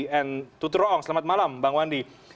dan tuturong selamat malam bang wandi